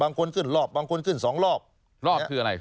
รอบคืออะไรรอบสองรอบคืออะไร